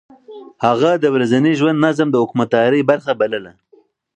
هغه د ورځني ژوند نظم د حکومتدارۍ برخه بلله.